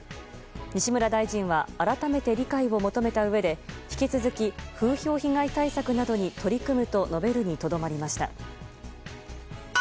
西村大臣は改めて理解を求めたうえで引き続き風評被害対策などに取り組むと述べるにとどまりました。